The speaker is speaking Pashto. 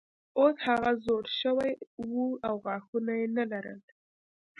اوس هغه زوړ شوی و او غاښونه یې نه لرل.